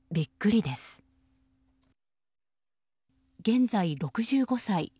現在６５歳。